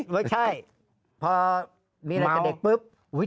ไม่ใช่เพราะมีอะไรกับเด็กไท